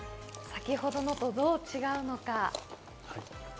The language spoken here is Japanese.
先ほどのとどう違うのか。